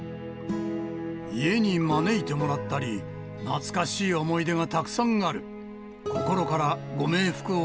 家に招いてもらったり、懐かしい思い出がたくさんある。